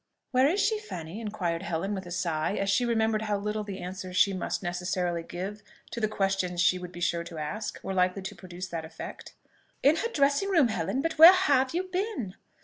"Where is she, Fanny?" inquired Helen, with a sigh, as she remembered how little the answers she must necessarily give to the questions she would be sure to ask were likely to produce that effect. "In her dressing room, Helen. But where have you been?"